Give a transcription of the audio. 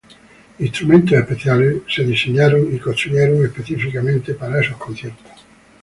Instrumento especiales fueron diseñadas y construidos específicamente para esos conciertos.